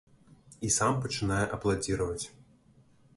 І сам пачынае апладзіраваць.